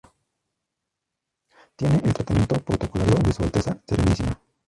Tiene el tratamiento protocolario de Su Alteza Serenísima.